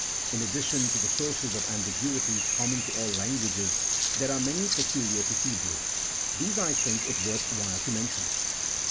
1 In addition to the sources of ambiguities common to all lan guages, there are many peculiar to Hebrew. These, I think, it worth while to mention.